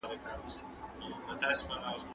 د درملنې په شمول ارامتیا تمرینونه مهم دي.